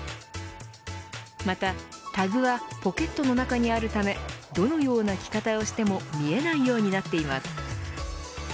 また、タグはポケットの中にあるためどのような着方をしても見えないようになっています。